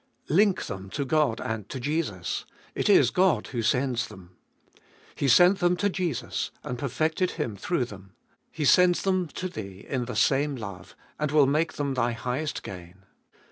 Link them to God and to Jesus. It is God who sends them. He sent them to Jesus and perfected Him through them. He sends them to thee in the same love, and will make them thy highest gain.